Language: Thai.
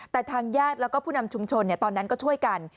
แต่ทางญาติแล้วก็ผู้นำชุมชนตอนนั้นก็ช่วยกัน